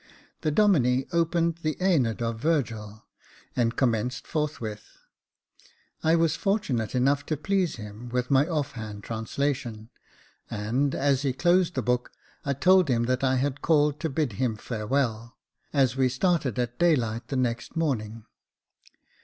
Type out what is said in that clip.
The Domine opened the JE^noidi of Virgil, and com menced forthwith. I was fortunate enough to please him with my off hand translation ; and, as he closed the book, I told him that I had called to bid him farewell, as we started at daylight the next morning.